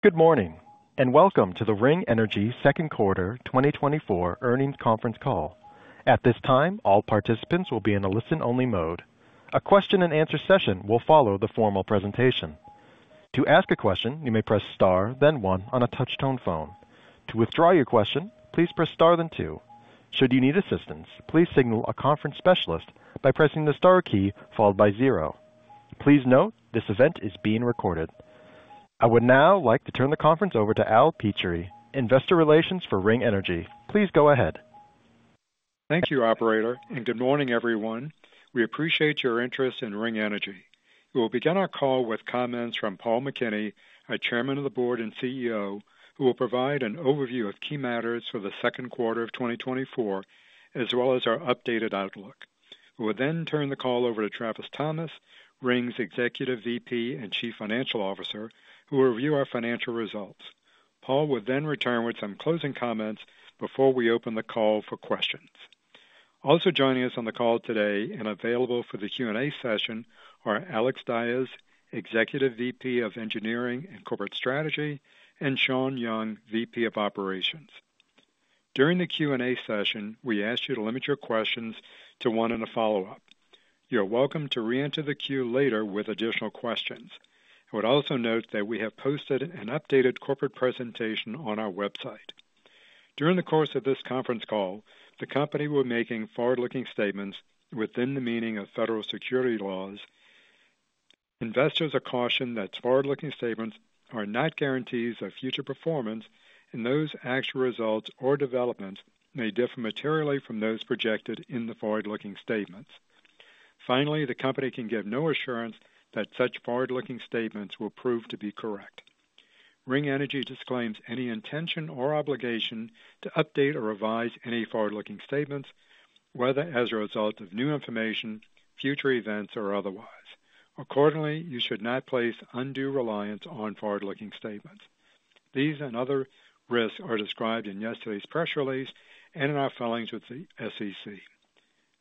Good morning, and welcome to the Ring Energy Second Quarter 2024 Earnings Conference Call. At this time, all participants will be in a listen-only mode. A question and answer session will follow the formal presentation. To ask a question, you may press star, then one on a touchtone phone. To withdraw your question, please press star, then two. Should you need assistance, please signal a conference specialist by pressing the star key followed by zero. Please note, this event is being recorded. I would now like to turn the conference over to Al Petrie, Investor Relations for Ring Energy. Please go ahead. Thank you, operator, and good morning, everyone. We appreciate your interest in Ring Energy. We will begin our call with comments from Paul McKinney, our Chairman of the Board and CEO, who will provide an overview of key matters for the second quarter of 2024, as well as our updated outlook. We will then turn the call over to Travis Thomas, Ring's Executive VP and Chief Financial Officer, who will review our financial results. Paul will then return with some closing comments before we open the call for questions. Also joining us on the call today and available for the Q&A session are Alex Dyes, Executive VP of Engineering and Corporate Strategy, and Shawn Young, VP of Operations. During the Q&A session, we ask you to limit your questions to one and a follow-up. You are welcome to reenter the queue later with additional questions. I would also note that we have posted an updated corporate presentation on our website. During the course of this conference call, the company will be making forward-looking statements within the meaning of federal securities laws. Investors are cautioned that forward-looking statements are not guarantees of future performance, and those actual results or developments may differ materially from those projected in the forward-looking statements. Finally, the company can give no assurance that such forward-looking statements will prove to be correct. Ring Energy disclaims any intention or obligation to update or revise any forward-looking statements, whether as a result of new information, future events, or otherwise. Accordingly, you should not place undue reliance on forward-looking statements. These and other risks are described in yesterday's press release and in our filings with the SEC.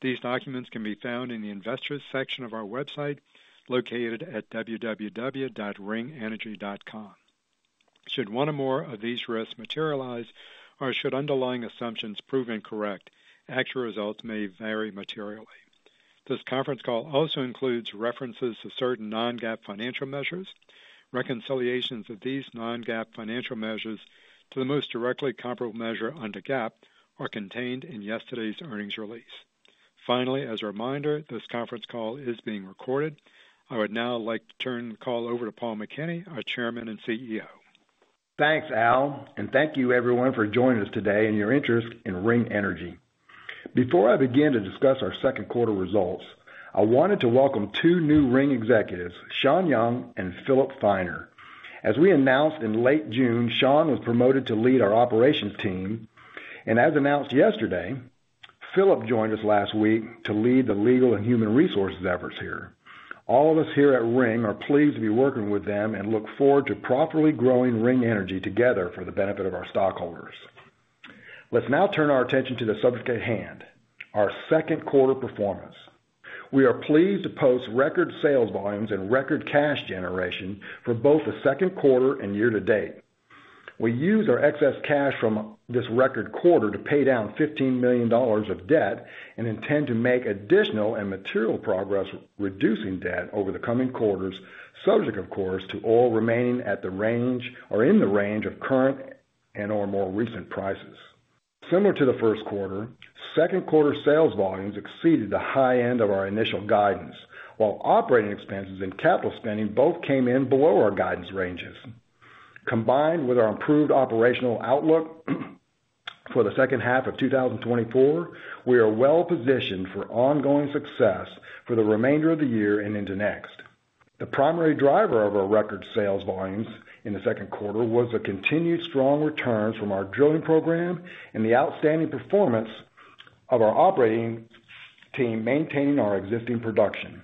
These documents can be found in the Investors section of our website, located at www.ringenergy.com. Should one or more of these risks materialize or should underlying assumptions prove incorrect, actual results may vary materially. This conference call also includes references to certain non-GAAP financial measures. Reconciliations of these non-GAAP financial measures to the most directly comparable measure under GAAP are contained in yesterday's earnings release. Finally, as a reminder, this conference call is being recorded. I would now like to turn the call over to Paul McKinney, our Chairman and CEO. Thanks, Al, and thank you everyone for joining us today and your interest in Ring Energy. Before I begin to discuss our second quarter results, I wanted to welcome two new Ring executives, Shawn Young and Phillip Feiner. As we announced in late June, Shawn was promoted to lead our Operations team, and as announced yesterday, Philip joined us last week to lead the Legal and Human Resources efforts here. All of us here at Ring are pleased to be working with them and look forward to properly growing Ring Energy together for the benefit of our stockholders. Let's now turn our attention to the subject at hand, our second quarter performance. We are pleased to post record sales volumes and record cash generation for both the second quarter and year to date. We used our excess cash from this record quarter to pay down $15 million of debt and intend to make additional and material progress, reducing debt over the coming quarters, subject, of course, to oil remaining at the range or in the range of current and/or more recent prices. Similar to the first quarter, second quarter sales volumes exceeded the high end of our initial guidance, while operating expenses and capital spending both came in below our guidance ranges. Combined with our improved operational outlook for the second half of 2024, we are well positioned for ongoing success for the remainder of the year and into next. The primary driver of our record sales volumes in the second quarter was the continued strong returns from our drilling program and the outstanding performance of our operating team, maintaining our existing production.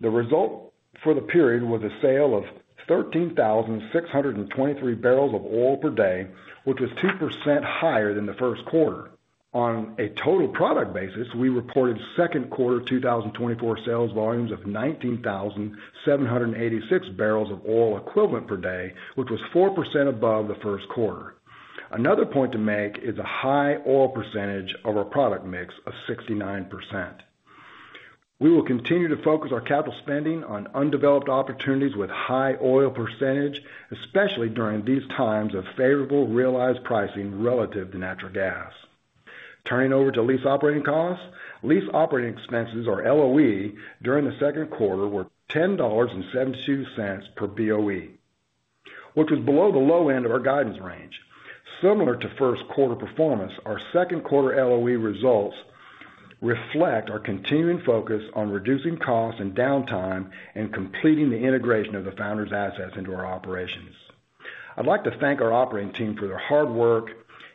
The result for the period was a sale of 13,623 barrels of oil per day, which was 2% higher than the first quarter. On a total product basis, we reported second quarter 2024 sales volumes of 19,786 barrels of oil equivalent per day, which was 4% above the first quarter. Another point to make is a high oil percentage of our product mix of 69%. We will continue to focus our capital spending on undeveloped opportunities with high oil percentage, especially during these times of favorable realized pricing relative to natural gas. Turning over to lease operating costs. Lease operating expenses, or LOE, during the second quarter were $10.72 per BOE, which was below the low end of our guidance range. Similar to first quarter performance, our second quarter LOE results reflect our continuing focus on reducing costs and downtime and completing the integration of the Founders' assets into our operations. I'd like to thank our operating team for their hard work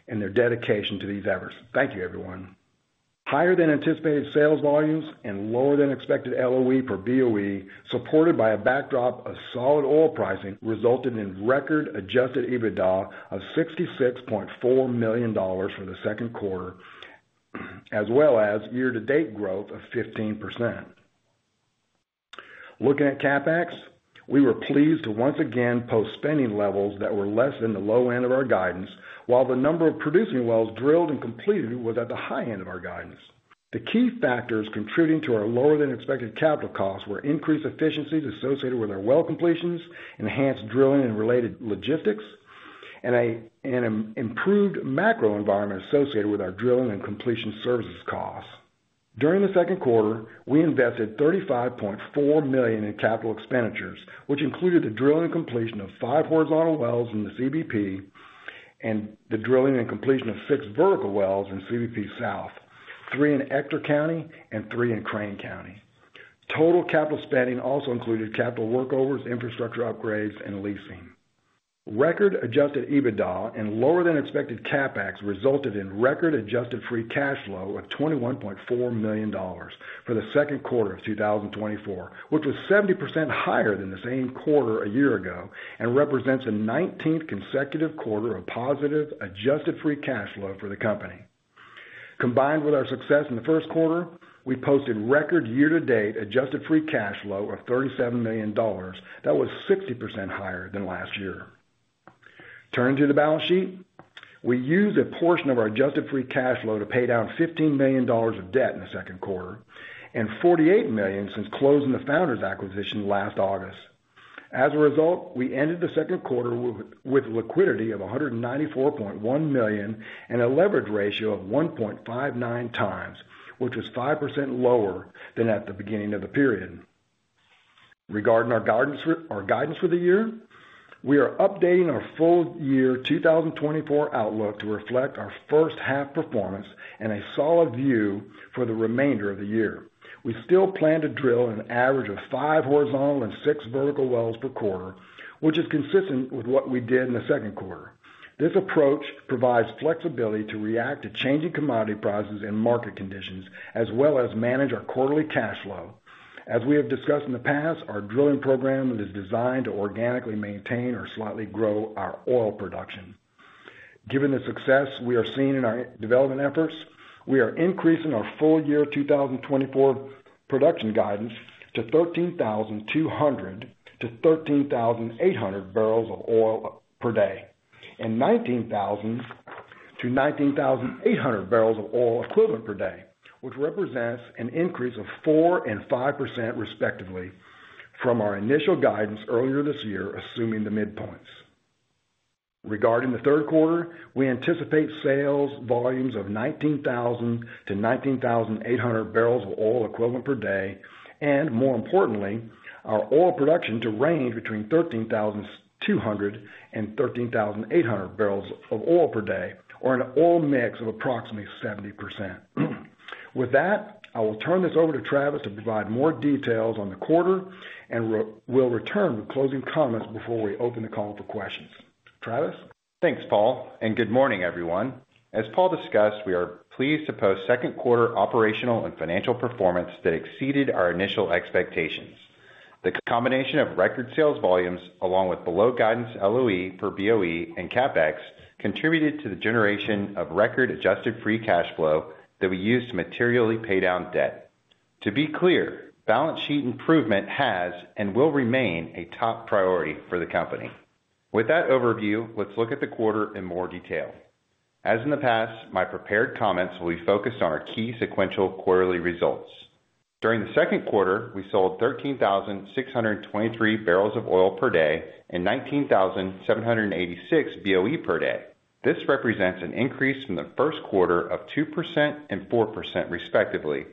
and their dedication to these efforts. Thank you, everyone. Higher than anticipated sales volumes and lower than expected LOE per BOE, supported by a backdrop of solid oil pricing, resulted in record adjusted EBITDA of $66.4 million for the second quarter, as well as year-to-date growth of 15%. Looking at CapEx, we were pleased to once again post spending levels that were less than the low end of our guidance, while the number of producing wells drilled and completed was at the high end of our guidance. The key factors contributing to our lower-than-expected capital costs were increased efficiencies associated with our well completions, enhanced drilling and related logistics, and an improved macro environment associated with our drilling and completion services costs. During the second quarter, we invested $35.4 million in capital expenditures, which included the drilling and completion of five horizontal wells in the CBP and the drilling and completion of six vertical wells in CBP South, three in Ector County and three in Crane County. Total capital spending also included capital workovers, infrastructure upgrades, and leasing. Record adjusted EBITDA and lower-than-expected CapEx resulted in record adjusted free cash flow of $21.4 million for the second quarter of 2024, which was 70% higher than the same quarter a year ago and represents a 19th consecutive quarter of positive adjusted free cash flow for the company. Combined with our success in the first quarter, we posted record year-to-date adjusted free cash flow of $37 million. That was 60% higher than last year. Turning to the balance sheet, we used a portion of our adjusted free cash flow to pay down $15 million of debt in the second quarter, and $48 million since closing the Founders acquisition last August. As a result, we ended the second quarter with liquidity of $194.1 million and a leverage ratio of 1.59x, which was 5% lower than at the beginning of the period. Regarding our guidance for the year, we are updating our full year 2024 outlook to reflect our first half performance and a solid view for the remainder of the year. We still plan to drill an average of five horizontal and six vertical wells per quarter, which is consistent with what we did in the second quarter. This approach provides flexibility to react to changing commodity prices and market conditions, as well as manage our quarterly cash flow. As we have discussed in the past, our drilling program is designed to organically maintain or slightly grow our oil production. Given the success we are seeing in our development efforts, we are increasing our full year 2024 production guidance to 13,200-13,800 barrels of oil per day, and 19,000-19,800 barrels of oil equivalent per day, which represents an increase of 4% and 5%, respectively, from our initial guidance earlier this year, assuming the midpoints. Regarding the third quarter, we anticipate sales volumes of 19,000 to 19,800 barrels of oil equivalent per day, and more importantly, our oil production to range between 13,200 and 13,800 barrels of oil per day, or an oil mix of approximately 70%. With that, I will turn this over to Travis to provide more details on the quarter, and we'll return with closing comments before we open the call for questions. Travis? Thanks, Paul, and good morning, everyone. As Paul discussed, we are pleased to post second quarter operational and financial performance that exceeded our initial expectations. The combination of record sales volumes, along with below guidance, LOE for BOE and CapEx, contributed to the generation of record adjusted free cash flow that we used to materially pay down debt. To be clear, balance sheet improvement has and will remain a top priority for the company. With that overview, let's look at the quarter in more detail. As in the past, my prepared comments will be focused on our key sequential quarterly results. During the second quarter, we sold 13,623 barrels of oil per day and 19,786 BOE per day. This represents an increase from the first quarter of 2% and 4%, respectively,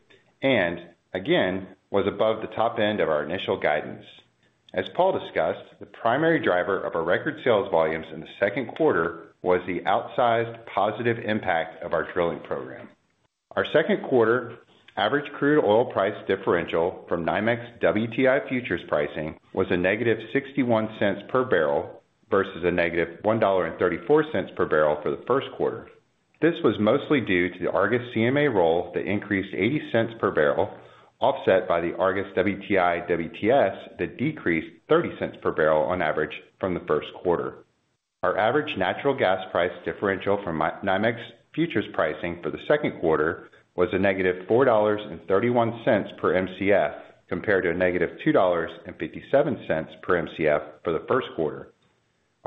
and again, was above the top end of our initial guidance. As Paul discussed, the primary driver of our record sales volumes in the second quarter was the outsized positive impact of our drilling program. Our second quarter average crude oil price differential from NYMEX WTI futures pricing was -$0.61 per barrel versus -$1.34 per barrel for the first quarter. This was mostly due to the Argus CMA roll that increased $0.80 per barrel, offset by the Argus WTI WTS, that decreased $0.30 per barrel on average from the first quarter. Our average natural gas price differential from NYMEX futures pricing for the second quarter was -$4.31/Mcf, compared to -$2.57/Mcf for the first quarter.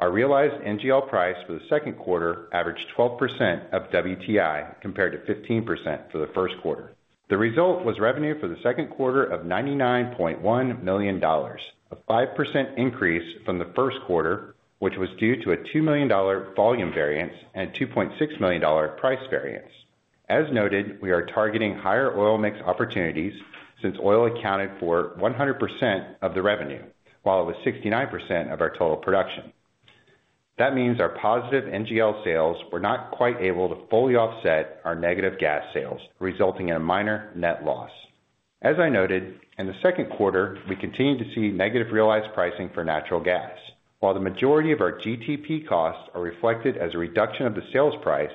Our realized NGL price for the second quarter averaged 12% of WTI, compared to 15% for the first quarter. The result was revenue for the second quarter of $99.1 million, a 5% increase from the first quarter, which was due to a $2 million volume variance and $2.6 million price variance. As noted, we are targeting higher oil mix opportunities since oil accounted for 100% of the revenue, while it was 69% of our total production. That means our positive NGL sales were not quite able to fully offset our negative gas sales, resulting in a minor net loss. As I noted, in the second quarter, we continued to see negative realized pricing for natural gas. While the majority of our GTP costs are reflected as a reduction of the sales price,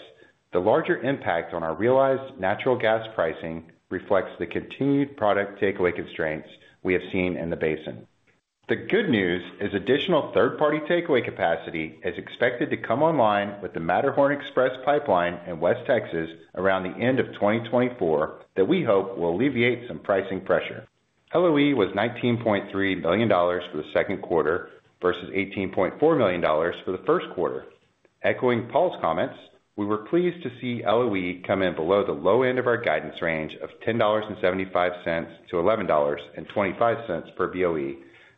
the larger impact on our realized natural gas pricing reflects the continued product takeaway constraints we have seen in the basin. The good news is additional third-party takeaway capacity is expected to come online with the Matterhorn Express Pipeline in West Texas around the end of 2024, that we hope will alleviate some pricing pressure. LOE was $19.3 million for the second quarter versus $18.4 million for the first quarter. Echoing Paul's comments, we were pleased to see LOE come in below the low end of our guidance range of $10.75-$11.25 per BOE,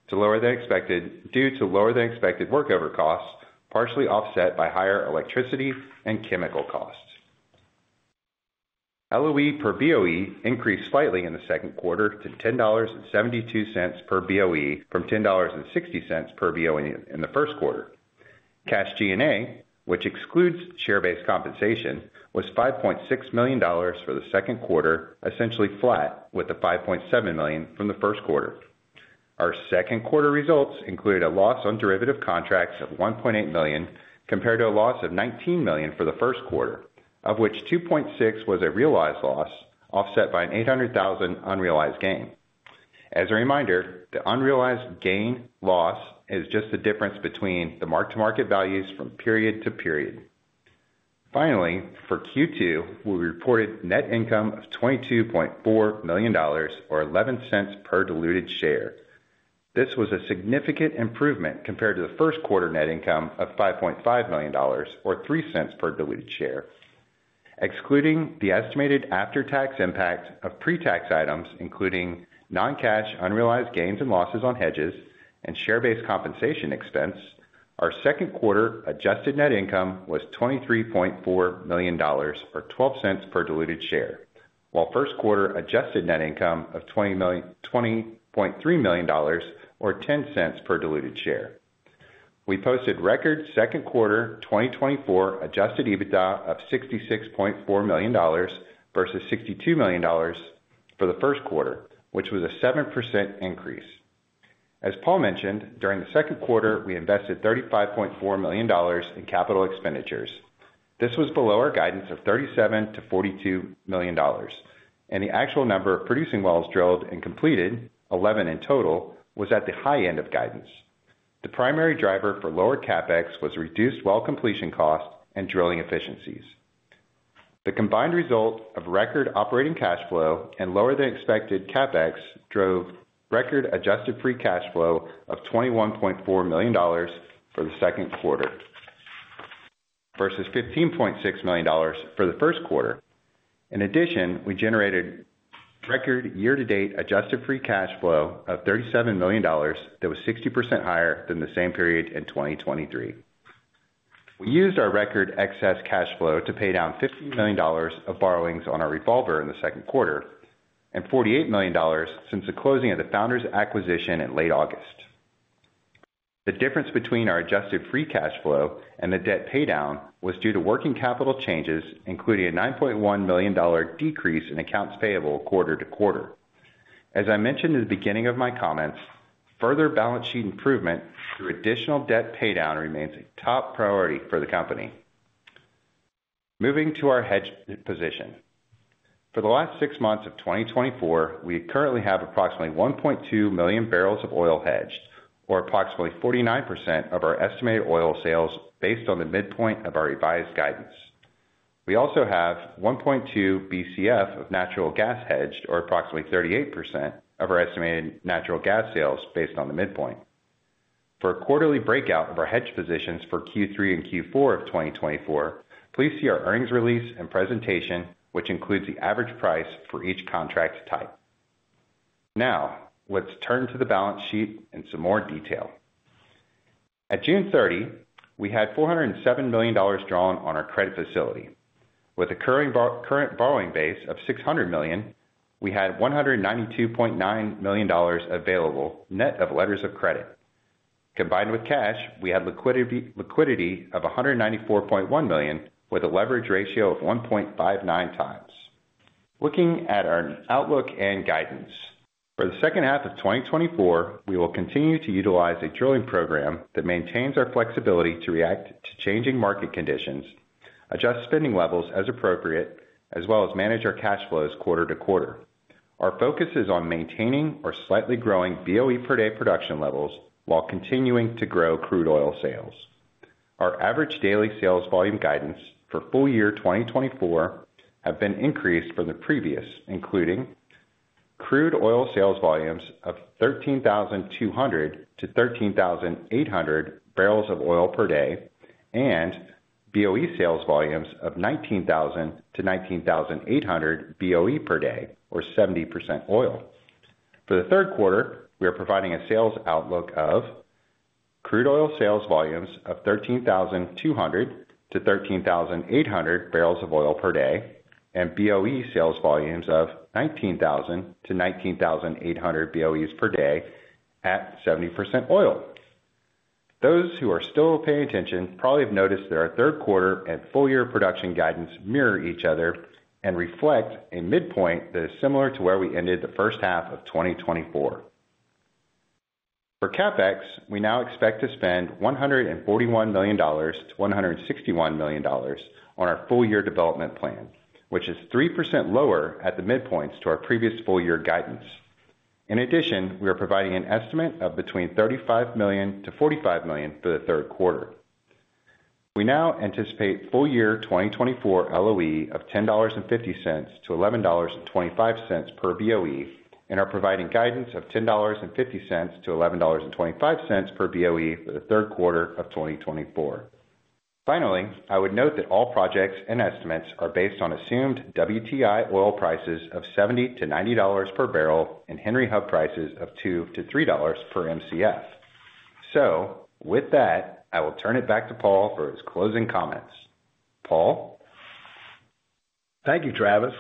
to lower than expected, due to lower than expected workover costs, partially offset by higher electricity and chemical costs. LOE per BOE increased slightly in the second quarter to $10.72 per BOE, from $10.60 per BOE in the first quarter. Cash G&A, which excludes share-based compensation, was $5.6 million for the second quarter, essentially flat, with the $5.7 million from the first quarter. Our second quarter results included a loss on derivative contracts of $1.8 million, compared to a loss of $19 million for the first quarter, of which $2.6 million was a realized loss, offset by an $800,000 unrealized gain. As a reminder, the unrealized gain loss is just the difference between the mark-to-market values from period to period. Finally, for Q2, we reported net income of $22.4 million or $0.11 per diluted share. This was a significant improvement compared to the first quarter net income of $5.5 million or $0.03 per diluted share. Excluding the estimated after-tax impact of pre-tax items, including non-cash unrealized gains and losses on hedges and share-based compensation expense, our second quarter adjusted net income was $23.4 million, or $0.12 per diluted share, while first quarter adjusted net income of $20.3 million, or $0.10 per diluted share. We posted record second quarter 2024 Adjusted EBITDA of $66.4 million, versus $62 million for the first quarter, which was a 7% increase. As Paul mentioned, during the second quarter, we invested $35.4 million in capital expenditures. This was below our guidance of $37 million-$42 million, and the actual number of producing wells drilled and completed, 11 in total, was at the high end of guidance. The primary driver for lower CapEx was reduced well completion costs and drilling efficiencies. The combined result of record operating cash flow and lower than expected CapEx drove record adjusted free cash flow of $21.4 million for the second quarter, versus $15.6 million for the first quarter. In addition, we generated record year-to-date adjusted free cash flow of $37 million, that was 60% higher than the same period in 2023. We used our record excess cash flow to pay down $50 million of borrowings on our revolver in the second quarter, and $48 million since the closing of the Founders acquisition in late August. The difference between our adjusted free cash flow and the debt paydown was due to working capital changes, including a $9.1 million dollar decrease in accounts payable quarter-over-quarter. As I mentioned in the beginning of my comments, further balance sheet improvement through additional debt paydown remains a top priority for the company. Moving to our hedge position. For the last six months of 2024, we currently have approximately 1.2 million barrels of oil hedged, or approximately 49% of our estimated oil sales, based on the midpoint of our revised guidance. We also have 1.2 BCF of natural gas hedged, or approximately 38% of our estimated natural gas sales, based on the midpoint. For a quarterly breakout of our hedge positions for Q3 and Q4 of 2024, please see our earnings release and presentation, which includes the average price for each contract type. Now, let's turn to the balance sheet in some more detail. At June 30, we had $407 million drawn on our credit facility. With a current borrowing base of $600 million, we had $192.9 million available, net of letters of credit. Combined with cash, we had liquidity of $194.1 million, with a leverage ratio of 1.59x. Looking at our outlook and guidance. For the second half of 2024, we will continue to utilize a drilling program that maintains our flexibility to react to changing market conditions, adjust spending levels as appropriate, as well as manage our cash flows quarter to quarter. Our focus is on maintaining or slightly growing BOE per day production levels while continuing to grow crude oil sales. Our average daily sales volume guidance for full year 2024 has been increased from the previous, including crude oil sales volumes of 13,200-13,800 barrels of oil per day, and BOE sales volumes of 19,000-19,800 BOE per day, or 70% oil. For the third quarter, we are providing a sales outlook of crude oil sales volumes of 13,200-13,800 barrels of oil per day, and BOE sales volumes of 19,000-19,800 BOEs per day at 70% oil. Those who are still paying attention probably have noticed that our third quarter and full year production guidance mirror each other and reflect a midpoint that is similar to where we ended the first half of 2024. For CapEx, we now expect to spend $141 million-$161 million on our full-year development plan, which is 3% lower at the midpoints to our previous full-year guidance. In addition, we are providing an estimate of between $35 million-$45 million for the third quarter. We now anticipate full year 2024 LOE of $10.50-$11.25 per BOE, and are providing guidance of $10.50-$11.25 per BOE for the third quarter of 2024. Finally, I would note that all projects and estimates are based on assumed WTI oil prices of $70-$90 per barrel and Henry Hub prices of $2-$3 per Mcf. With that, I will turn it back to Paul for his closing comments. Paul? Thank you, Travis.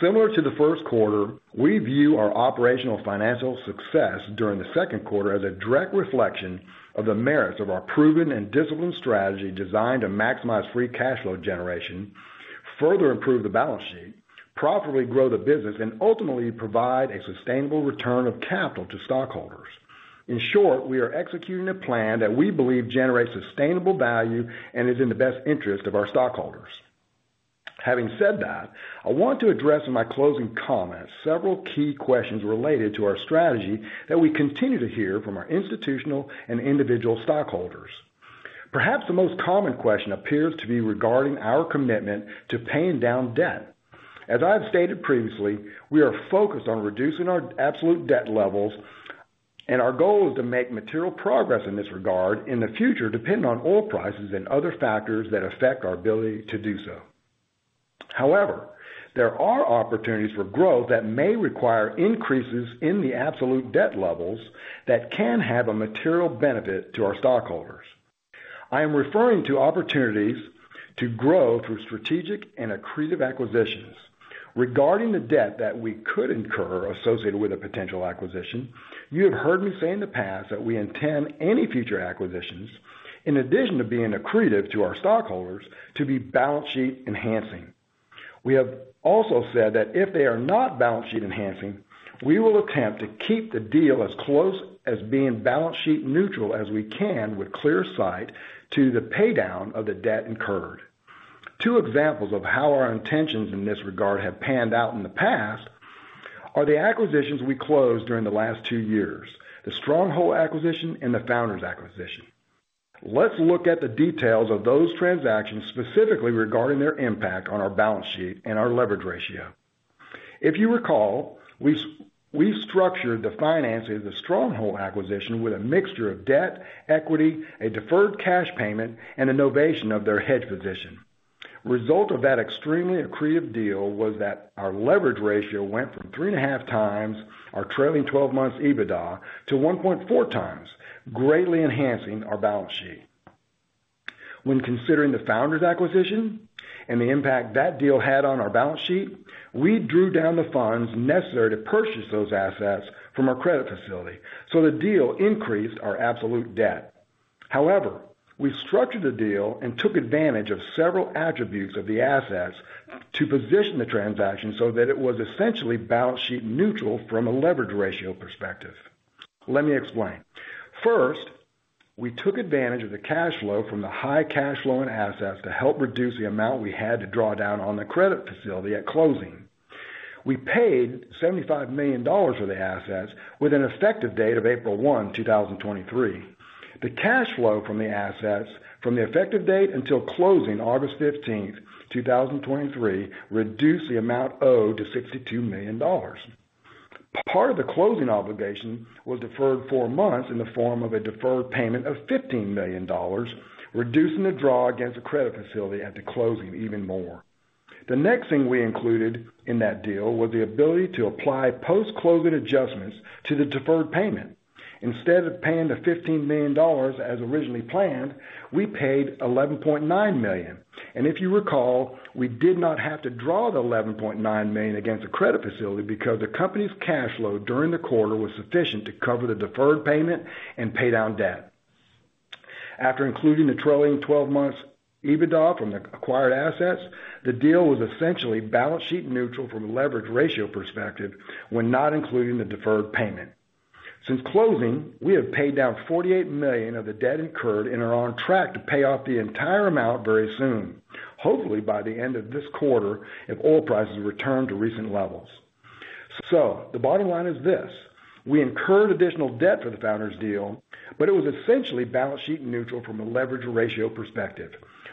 Similar to the first quarter, we view our operational financial success during the second quarter as a direct reflection of the merits of our proven and disciplined strategy, designed to maximize free cash flow generation, further improve the balance sheet, profitably grow the business, and ultimately provide a sustainable return of capital to stockholders. In short, we are executing a plan that we believe generates sustainable value and is in the best interest of our stockholders. Having said that, I want to address in my closing comments, several key questions related to our strategy that we continue to hear from our institutional and individual stockholders. Perhaps the most common question appears to be regarding our commitment to paying down debt. As I have stated previously, we are focused on reducing our absolute debt levels, and our goal is to make material progress in this regard in the future, depending on oil prices and other factors that affect our ability to do so. However, there are opportunities for growth that may require increases in the absolute debt levels that can have a material benefit to our stockholders. I am referring to opportunities to grow through strategic and accretive acquisitions. Regarding the debt that we could incur associated with a potential acquisition, you have heard me say in the past that we intend any future acquisitions, in addition to being accretive to our stockholders, to be balance sheet enhancing. We have also said that if they are not balance sheet enhancing, we will attempt to keep the deal as close as being balance sheet neutral as we can, with clear sight to the paydown of the debt incurred. Two examples of how our intentions in this regard have panned out in the past are the acquisitions we closed during the last two years: the Stronghold acquisition and the Founders acquisition. Let's look at the details of those transactions, specifically regarding their impact on our balance sheet and our leverage ratio. If you recall, we structured the financing of the Stronghold acquisition with a mixture of debt, equity, a deferred cash payment, and a novation of their hedge position. Result of that extremely accretive deal was that our leverage ratio went from 3.5 times our trailing twelve months EBITDA to 1.4x, greatly enhancing our balance sheet. When considering the Founders acquisition and the impact that deal had on our balance sheet, we drew down the funds necessary to purchase those assets from our credit facility, so the deal increased our absolute debt. However, we structured the deal and took advantage of several attributes of the assets to position the transaction so that it was essentially balance sheet neutral from a leverage ratio perspective. Let me explain. First, we took advantage of the cash flow from the high cash flow and assets to help reduce the amount we had to draw down on the credit facility at closing. We paid $75 million for the assets with an effective date of April 1, 2023. The cash flow from the assets from the effective date until closing, August 15th, 2023, reduced the amount owed to $62 million. Part of the closing obligation was deferred for months in the form of a deferred payment of $15 million, reducing the draw against the credit facility at the closing even more. The next thing we included in that deal was the ability to apply post-closing adjustments to the deferred payment. Instead of paying the $15 million as originally planned, we paid $11.9 million, and if you recall, we did not have to draw the $11.9 million against the credit facility because the company's cash flow during the quarter was sufficient to cover the deferred payment and pay down debt. After including the trailing 12 months EBITDA from the acquired assets, the deal was essentially balance sheet neutral from a leverage ratio perspective, when not including the deferred payment. Since closing, we have paid down $48 million of the debt incurred and are on track to pay off the entire amount very soon, hopefully by the end of this quarter, if oil prices return to recent levels. So the bottom line is this: we incurred additional debt for the Founders deal, but it was essentially balance sheet neutral from a leverage ratio perspective.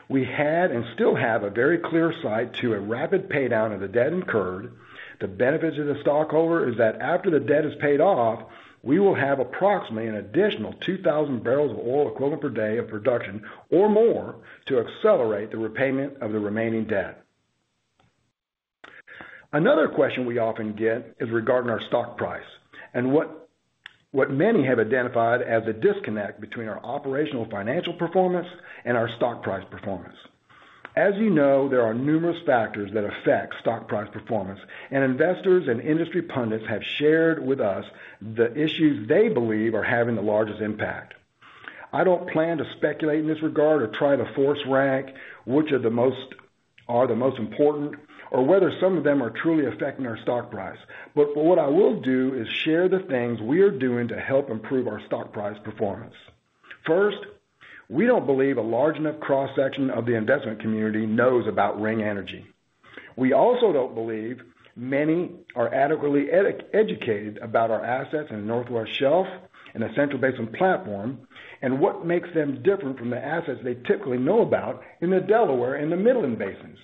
We had and still have a very clear sight to a rapid paydown of the debt incurred. The benefits of the stockholder is that after the debt is paid off, we will have approximately an additional 2,000 barrels of oil equivalent per day of production or more to accelerate the repayment of the remaining debt. Another question we often get is regarding our stock price and what, what many have identified as the disconnect between our operational financial performance and our stock price performance. As you know, there are numerous factors that affect stock price performance, and investors and industry pundits have shared with us the issues they believe are having the largest impact. I don't plan to speculate in this regard or try to force rank which are the most important, or whether some of them are truly affecting our stock price. But what I will do is share the things we are doing to help improve our stock price performance. First, we don't believe a large enough cross-section of the investment community knows about Ring Energy. We also don't believe many are adequately educated about our assets in the North West Shelf and the Central Basin Platform, and what makes them different from the assets they typically know about in the Delaware and the Midland basins.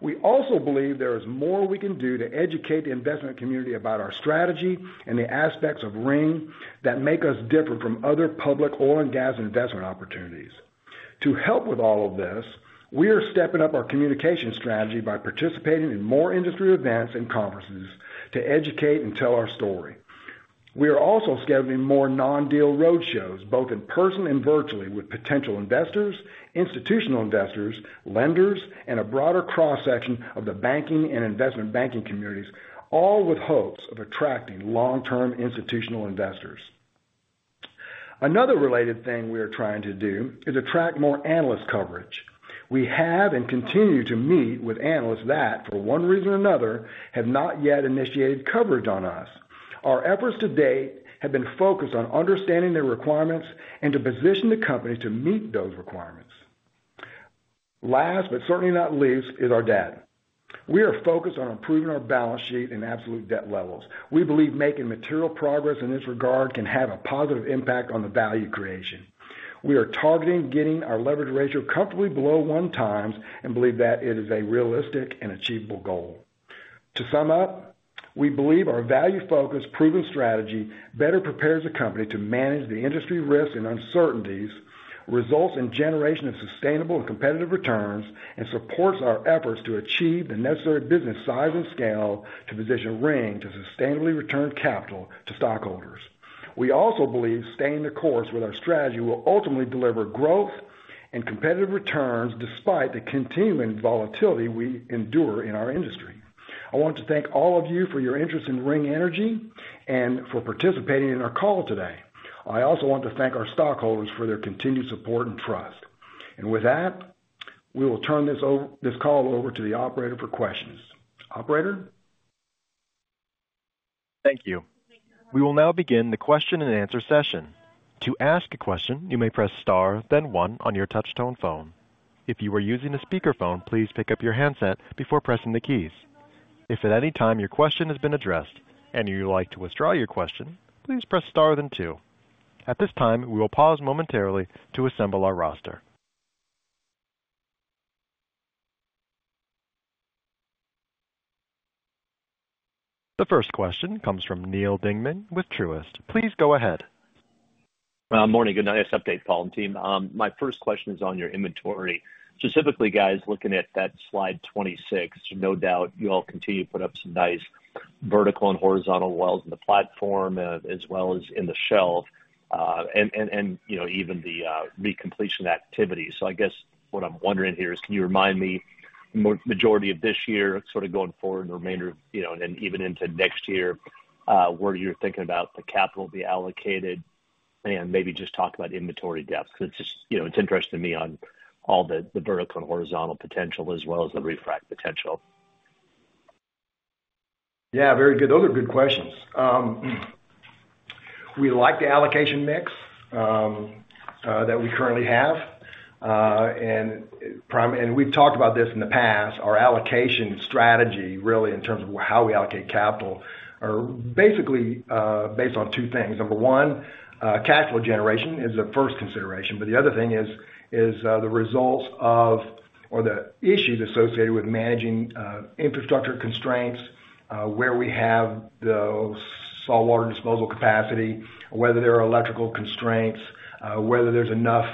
We also believe there is more we can do to educate the investment community about our strategy and the aspects of Ring that make us different from other public oil and gas investment opportunities. To help with all of this, we are stepping up our communication strategy by participating in more industry events and conferences to educate and tell our story. We are also scheduling more non-deal roadshows, both in person and virtually, with potential investors, institutional investors, lenders, and a broader cross-section of the banking and investment banking communities, all with hopes of attracting long-term institutional investors. Another related thing we are trying to do is attract more analyst coverage. We have and continue to meet with analysts that, for one reason or another, have not yet initiated coverage on us. Our efforts to date have been focused on understanding their requirements and to position the company to meet those requirements. Last, but certainly not least, is our debt. We are focused on improving our balance sheet and absolute debt levels. We believe making material progress in this regard can have a positive impact on the value creation. We are targeting getting our leverage ratio comfortably below 1x, and believe that it is a realistic and achievable goal. To sum up, we believe our value-focused, proven strategy better prepares the company to manage the industry risks and uncertainties, results in generation of sustainable and competitive returns, and supports our efforts to achieve the necessary business size and scale to position Ring to sustainably return capital to stockholders. We also believe staying the course with our strategy will ultimately deliver growth and competitive returns despite the continuing volatility we endure in our industry. I want to thank all of you for your interest in Ring Energy and for participating in our call today. I also want to thank our stockholders for their continued support and trust. With that, we will turn this over, this call over to the operator for questions. Operator? Thank you. We will now begin the question and answer session. To ask a question, you may press star, then one on your touch tone phone. If you are using a speakerphone, please pick up your handset before pressing the keys. If at any time your question has been addressed and you'd like to withdraw your question, please press star then two. At this time, we will pause momentarily to assemble our roster. The first question comes from Neal Dingmann with Truist. Please go ahead. Morning, nice update, Paul and team. My first question is on your inventory. Specifically, guys, looking at that slide 26, no doubt you all continue to put up some nice vertical and horizontal wells in the platform, as well as in the shelf, and you know, even the recompletion activities. So I guess what I'm wondering here is, can you remind me, majority of this year, sort of going forward, the remainder of, you know, and then even into next year, where you're thinking about the capital to be allocated, and maybe just talk about inventory depth? Because it's just, you know, it's interesting to me on all the vertical and horizontal potential as well as the refrac potential. Yeah, very good. Those are good questions. We like the allocation mix that we currently have. And we've talked about this in the past, our allocation strategy, really, in terms of how we allocate capital, are basically based on two things. Number one, capital generation is the first consideration, but the other thing is the results of or the issues associated with managing infrastructure constraints, where we have those saltwater disposal capacity, whether there are electrical constraints, whether there's enough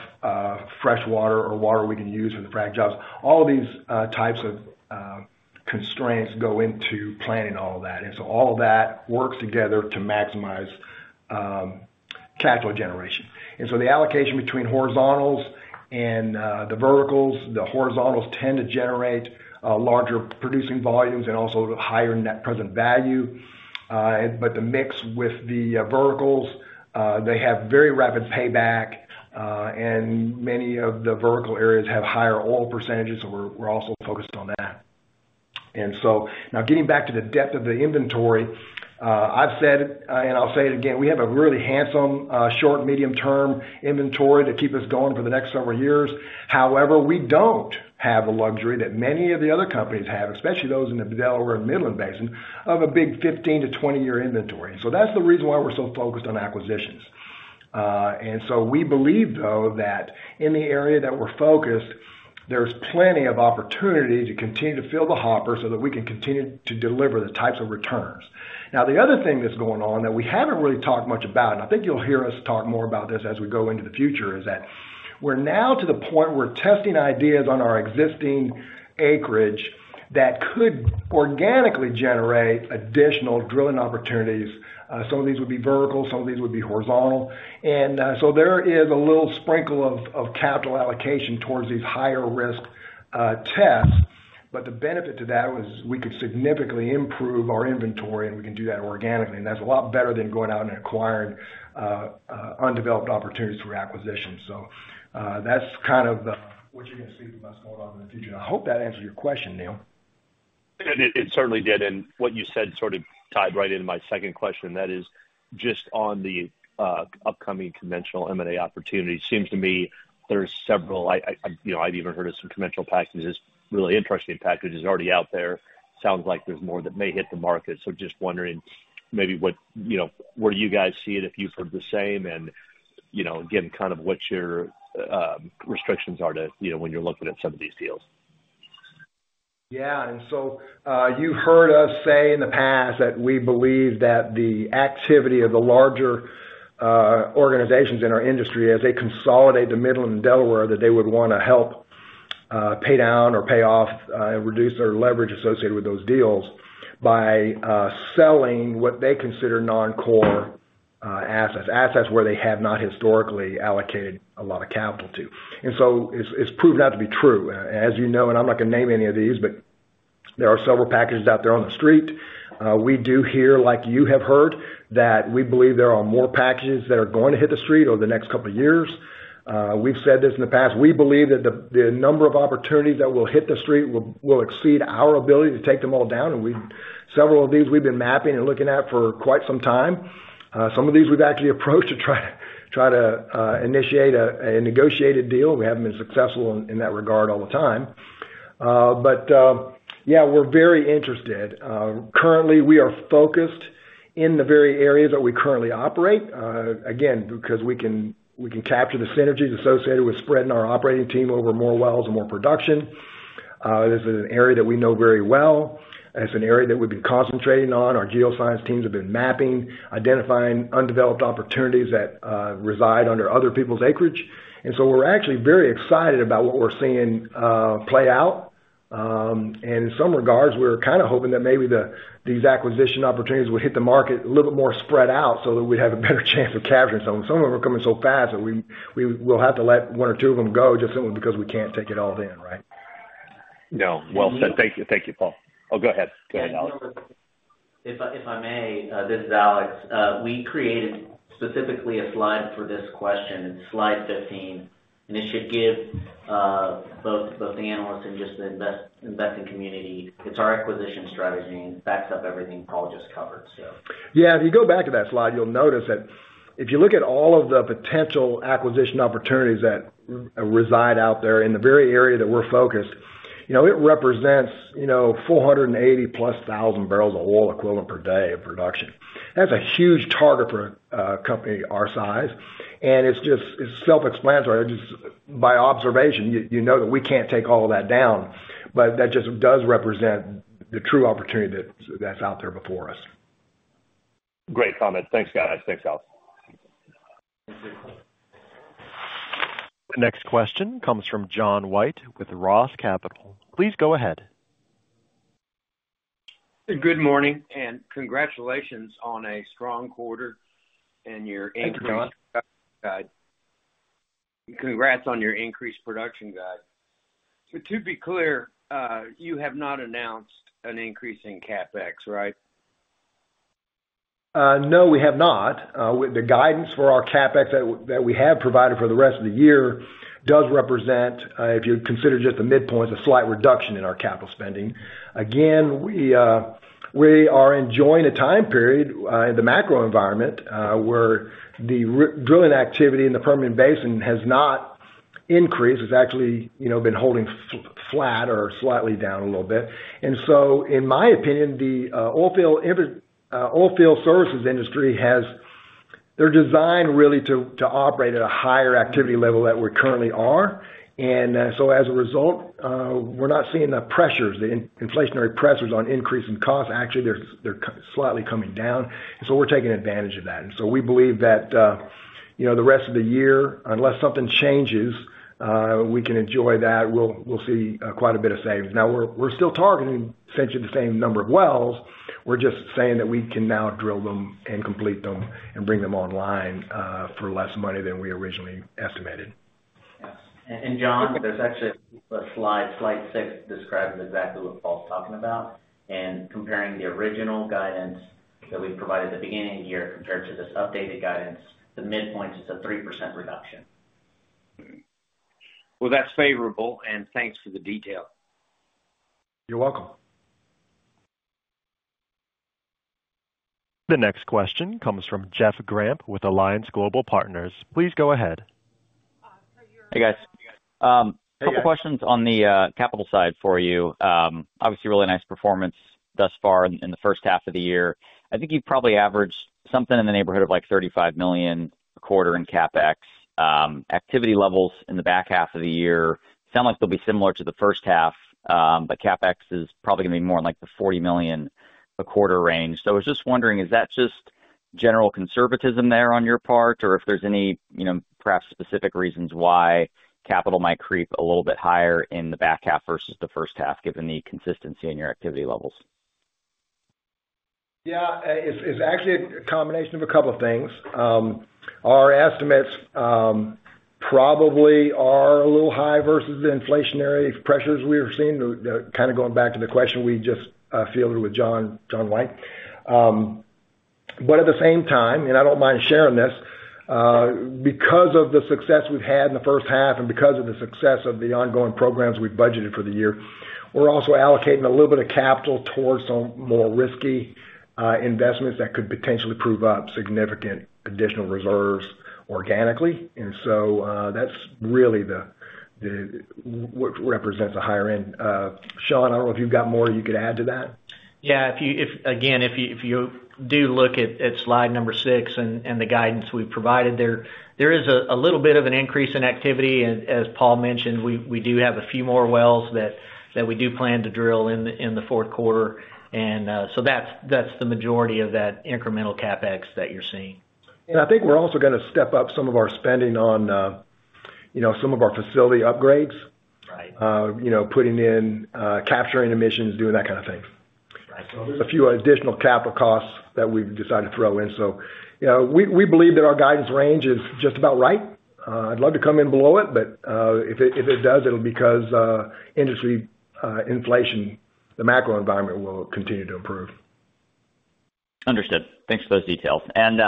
fresh water or water we can use for the frack jobs. All of these types of constraints go into planning all of that. And so all of that works together to maximize capital generation. And so the allocation between horizontals and the verticals, the horizontals tend to generate larger producing volumes and also higher net present value. But the mix with the verticals, they have very rapid payback, and many of the vertical areas have higher oil percentages, so we're also focused on that. And so now getting back to the depth of the inventory, I've said, and I'll say it again, we have a really handsome short, medium-term inventory to keep us going for the next several years. However, we don't have the luxury that many of the other companies have, especially those in the Delaware and Midland Basin, of a big 15-20-year inventory. So that's the reason why we're so focused on acquisitions. And so we believe, though, that in the area that we're focused, there's plenty of opportunity to continue to fill the hopper so that we can continue to deliver the types of returns. Now, the other thing that's going on that we haven't really talked much about, and I think you'll hear us talk more about this as we go into the future, is that we're now to the point we're testing ideas on our existing acreage that could organically generate additional drilling opportunities. Some of these would be vertical, some of these would be horizontal. And, so there is a little sprinkle of capital allocation towards these higher risk tests, but the benefit to that was we could significantly improve our inventory, and we can do that organically. And that's a lot better than going out and acquiring undeveloped opportunities through acquisition. So, that's kind of what you're gonna see, what's going on in the future. I hope that answered your question, Neal. It certainly did, and what you said sort of tied right into my second question, that is just on the upcoming conventional M&A opportunity. Seems to me there's several, you know, I've even heard of some conventional packages, really interesting packages already out there. Sounds like there's more that may hit the market. So just wondering, maybe what, you know, where you guys see it, if you've heard the same, and, you know, again, kind of what your restrictions are to, you know, when you're looking at some of these deals. Yeah. And so, you heard us say in the past that we believe that the activity of the larger organizations in our industry, as they consolidate to Midland and Delaware, that they would want to help pay down or pay off, reduce their leverage associated with those deals by selling what they consider non-core assets, assets where they have not historically allocated a lot of capital to. And so it's, it's proved out to be true. As you know, and I'm not going to name any of these, but there are several packages out there on the street. We do hear, like you have heard, that we believe there are more packages that are going to hit the street over the next couple of years. We've said this in the past: we believe that the number of opportunities that will hit the street will exceed our ability to take them all down, and we've several of these we've been mapping and looking at for quite some time. Some of these we've actually approached to try to initiate a negotiated deal. We haven't been successful in that regard all the time. But, yeah, we're very interested. Currently, we are focused in the very areas that we currently operate, again, because we can capture the synergies associated with spreading our operating team over more wells and more production. This is an area that we know very well, and it's an area that we've been concentrating on. Our geoscience teams have been mapping, identifying undeveloped opportunities that reside under other people's acreage. And so we're actually very excited about what we're seeing play out. And in some regards, we're kind of hoping that maybe these acquisition opportunities will hit the market a little bit more spread out so that we'd have a better chance of capturing some. Some of them are coming so fast that we'll have to let one or two of them go just simply because we can't take it all in, right? No. Well said. Thank you, thank you, Paul. Oh, go ahead. Go ahead, Alex. If I, if I may, this is Alex. We created specifically a slide for this question, slide 15, and it should give both, both the analysts and just the invest- investing community. It's our acquisition strategy, and it backs up everything Paul just covered, so. Yeah, if you go back to that slide, you'll notice that if you look at all of the potential acquisition opportunities that reside out there in the very area that we're focused, you know, it represents, you know, 480+ thousand barrels of oil equivalent per day of production. That's a huge target for a company our size, and it's just, it's self-explanatory. Just by observation, you know that we can't take all of that down, but that just does represent the true opportunity that's out there before us. Great comment. Thanks, guys. Thanks, Alex. The next question comes from John White with Roth Capital. Please go ahead. Good morning, and congratulations on a strong quarter and your increased guide Thank you, John. Congrats on your increased production guide. So to be clear, you have not announced an increase in CapEx, right? No, we have not. With the guidance for our CapEx that we have provided for the rest of the year, does represent, if you consider just the midpoints, a slight reduction in our capital spending. Again, we are enjoying a time period in the macro environment where the drilling activity in the Permian Basin has not increased. It's actually, you know, been holding flat or slightly down a little bit. And so, in my opinion, the oil field services industry has. They're designed really to operate at a higher activity level than we currently are. And so as a result, we're not seeing the pressures, the inflationary pressures on increasing costs. Actually, they're slightly coming down, and so we're taking advantage of that. So we believe that, you know, the rest of the year, unless something changes, we can enjoy that. We'll, we'll see quite a bit of savings. Now, we're, we're still targeting essentially the same number of wells. We're just saying that we can now drill them and complete them and bring them online, for less money than we originally estimated. Yes. And, John, there's actually a slide, slide six, describing exactly what Paul's talking about, and comparing the original guidance that we provided at the beginning of the year compared to this updated guidance. The midpoint is a 3% reduction. Well, that's favorable, and thanks for the detail. You're welcome. The next question comes from Jeff Grampp with Alliance Global Partners. Please go ahead. Hey, guys. Hey, Jeff. A couple questions on the capital side for you. Obviously, really nice performance thus far in the first half of the year. I think you've probably averaged something in the neighborhood of, like, $35 million a quarter in CapEx. Activity levels in the back half of the year sound like they'll be similar to the first half, but CapEx is probably gonna be more in, like, the $40 million a quarter range. So I was just wondering, is that just general conservatism there on your part, or if there's any, you know, perhaps specific reasons why capital might creep a little bit higher in the back half versus the first half, given the consistency in your activity levels? Yeah, it's actually a combination of a couple of things. Our estimates probably are a little high versus the inflationary pressures we are seeing. Kind of going back to the question we just fielded with John White. But at the same time, and I don't mind sharing this, because of the success we've had in the first half and because of the success of the ongoing programs we've budgeted for the year, we're also allocating a little bit of capital towards some more risky investments that could potentially prove up significant additional reserves organically. And so, that's really what represents the higher end. Shawn, I don't know if you've got more you could add to that? Yeah, again, if you do look at slide number 6 and the guidance we've provided there, there is a little bit of an increase in activity. And as Paul mentioned, we do have a few more wells that we do plan to drill in the fourth quarter. So that's the majority of that incremental CapEx that you're seeing. I think we're also gonna step up some of our spending on, you know, some of our facility upgrades. Right. You know, putting in, capturing emissions, doing that kind of thing. Right. So there's a few additional capital costs that we've decided to throw in. So, you know, we believe that our guidance range is just about right. I'd love to come in below it, but if it does, it'll be because industry, inflation, the macro environment will continue to improve. Understood. Thanks for those details. And,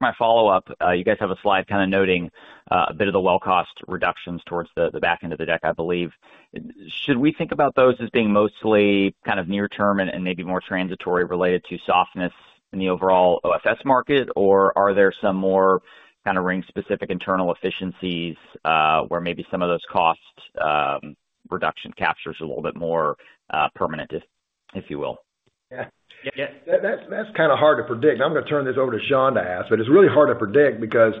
my follow-up, you guys have a slide kind of noting a bit of the well cost reductions towards the back end of the deck, I believe. Should we think about those as being mostly kind of near term and maybe more transitory related to softness in the overall OFS market? Or are there some more kind of Ring specific internal efficiencies, where maybe some of those costs reduction captures a little bit more permanent, if you will? Yeah. Yeah. That's, that's kind of hard to predict. I'm gonna turn this over to Shawn to answer, but it's really hard to predict because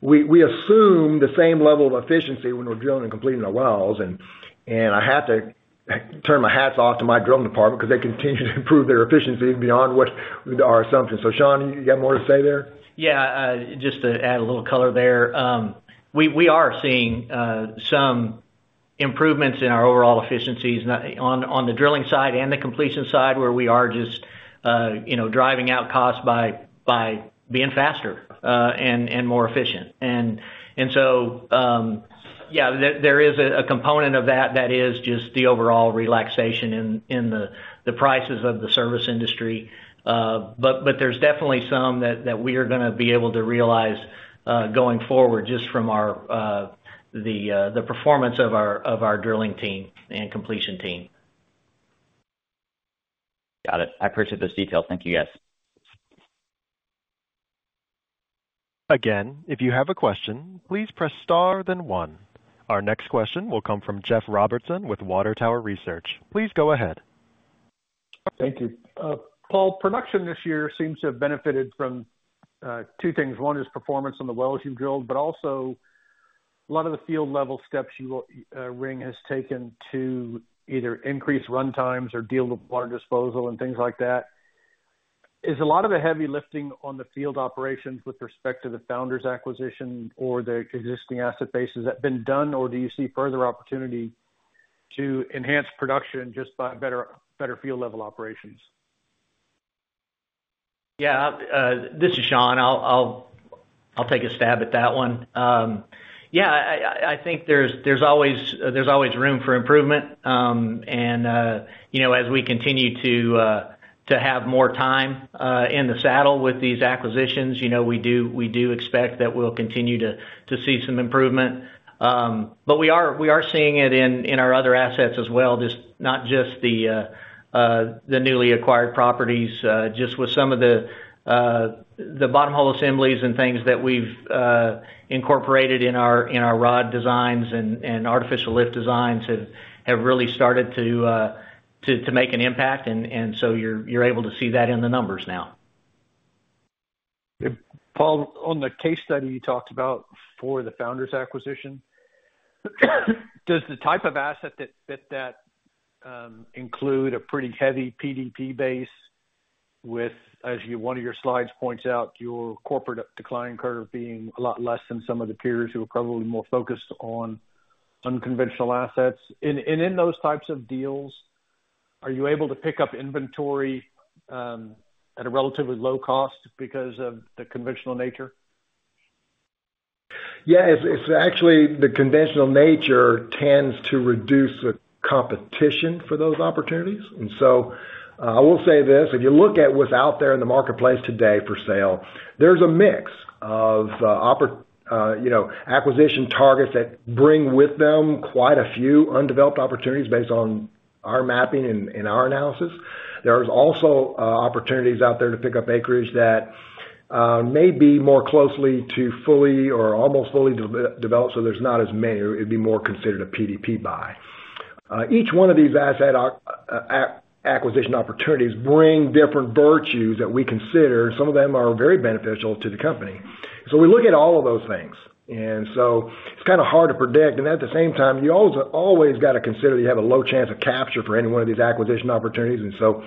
we, we assume the same level of efficiency when we're drilling and completing the wells, and, and I have to turn my hats off to my drilling department because they continue to improve their efficiency beyond what our assumptions. So, Shawn, you got more to say there? Yeah, just to add a little color there. We are seeing some improvements in our overall efficiencies on the drilling side and the completion side, where we are just, you know, driving out costs by being faster and more efficient. So, yeah, there is a component of that that is just the overall relaxation in the prices of the service industry. But there's definitely some that we are gonna be able to realize going forward, just from the performance of our drilling team and completion team. Got it. I appreciate those details. Thank you, guys. Again, if you have a question, please press star, then one. Our next question will come from Jeff Robertson with Water Tower Research. Please go ahead. Thank you. Paul, production this year seems to have benefited from two things. One is performance on the wells you've drilled, but also a lot of the field level steps you, Ring has taken to either increase runtimes or deal with water disposal and things like that. Is a lot of the heavy lifting on the field operations with respect to the Founders acquisition or the existing asset base, has that been done, or do you see further opportunity to enhance production just by better, better field level operations? Yeah, this is Shawn. I'll take a stab at that one. Yeah, I think there's always room for improvement. And, you know, as we continue to have more time in the saddle with these acquisitions, you know, we do expect that we'll continue to see some improvement. But we are seeing it in our other assets as well, not just the newly acquired properties. Just with some of the bottom hole assemblies and things that we've incorporated in our rod designs and artificial lift designs have really started to make an impact. And so you're able to see that in the numbers now. Paul, on the case study you talked about for the Founders acquisition, does the type of asset that include a pretty heavy PDP base with, as one of your slides points out, your corporate decline curve being a lot less than some of the peers who are probably more focused on unconventional assets? And in those types of deals, are you able to pick up inventory at a relatively low cost because of the conventional nature? Yeah, it's actually the conventional nature tends to reduce the competition for those opportunities. And so, I will say this: If you look at what's out there in the marketplace today for sale, there's a mix of, you know, acquisition targets that bring with them quite a few undeveloped opportunities based on our mapping and our analysis. There's also opportunities out there to pick up acreage that may be more closely to fully or almost fully developed, so there's not as many, or it'd be more considered a PDP buy. Each one of these asset acquisition opportunities bring different virtues that we consider, and some of them are very beneficial to the company. So we look at all of those things, and so it's kind of hard to predict. And at the same time, you also always got to consider you have a low chance of capture for any one of these acquisition opportunities, and so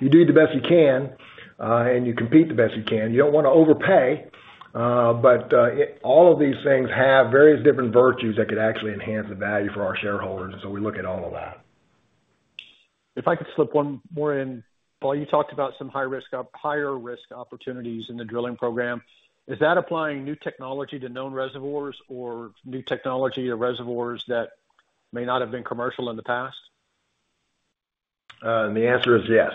you do the best you can, and you compete the best you can. You don't want to overpay, but all of these things have various different virtues that could actually enhance the value for our shareholders, and so we look at all of that. If I could slip one more in. Paul, you talked about some higher risk opportunities in the drilling program. Is that applying new technology to known reservoirs or new technology to reservoirs that may not have been commercial in the past? And the answer is yes.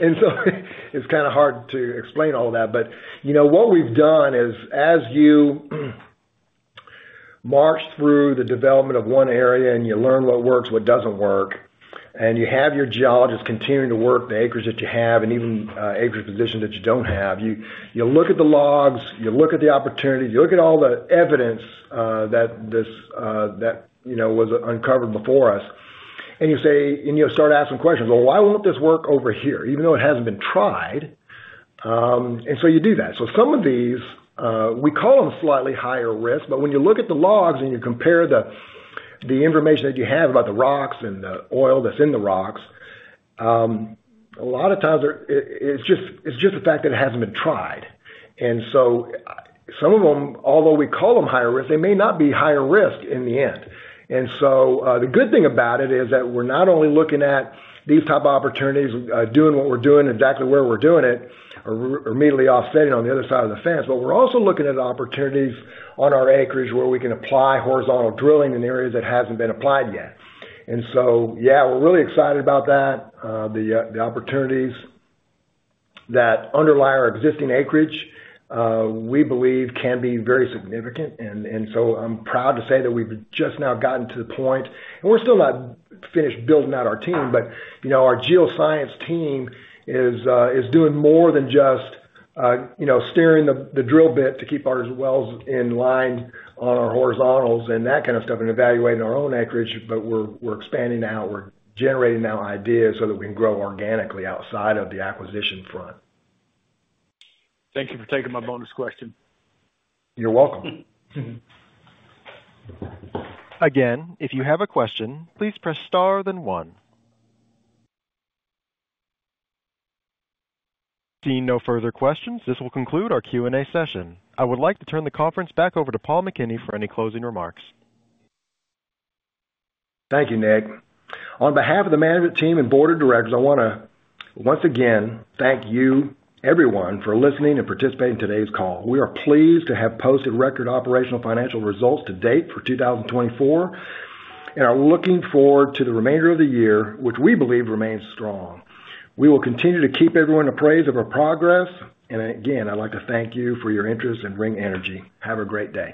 And so it's kind of hard to explain all that, but, you know, what we've done is, as you march through the development of one area, and you learn what works, what doesn't work, and you have your geologists continuing to work the acres that you have, and even acreage position that you don't have, you, you look at the logs, you look at the opportunity, you look at all the evidence, that this, that, you know, was uncovered before us, and you say, and you start asking questions, "Well, why won't this work over here?" Even though it hasn't been tried. And so you do that. So some of these, we call them slightly higher risk, but when you look at the logs and you compare the information that you have about the rocks and the oil that's in the rocks, a lot of times it's just the fact that it hasn't been tried. And so some of them, although we call them higher risk, they may not be higher risk in the end. And so, the good thing about it is that we're not only looking at these type of opportunities, doing what we're doing, exactly where we're doing it, or immediately offsetting on the other side of the fence, but we're also looking at opportunities on our acreage where we can apply horizontal drilling in areas that hasn't been applied yet. And so, yeah, we're really excited about that. The opportunities that underlie our existing acreage, we believe can be very significant. And so I'm proud to say that we've just now gotten to the point, and we're still not finished building out our team, but, you know, our geoscience team is doing more than just, you know, steering the drill bit to keep our wells in line on our horizontals and that kind of stuff, and evaluating our own acreage, but we're expanding out, we're generating out ideas so that we can grow organically outside of the acquisition front. Thank you for taking my bonus question. You're welcome. Again, if you have a question, please press star, then one. Seeing no further questions, this will conclude our Q&A session. I would like to turn the conference back over to Paul McKinney for any closing remarks. Thank you, Nick. On behalf of the management team and board of directors, I wanna, once again, thank you, everyone, for listening and participating in today's call. We are pleased to have posted record operational financial results to date for 2024, and are looking forward to the remainder of the year, which we believe remains strong. We will continue to keep everyone apprised of our progress, and again, I'd like to thank you for your interest in Ring Energy. Have a great day.